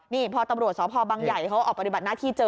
นี่พอตำรวจสพบังใหญ่เขาออกปฏิบัติหน้าที่เจอ